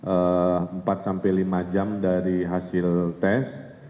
empat sampai lima jam dari hasil tes